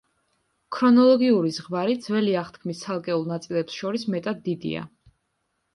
ქრონოლოგიური ზღვარი ძველი აღთქმის ცალკეულ ნაწილებს შორის მეტად დიდია.